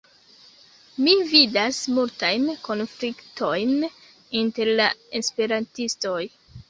Mi vidas multajn konfliktojn inter la esperantistoj.